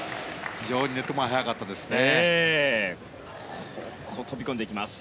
非常にネット前速かったですね。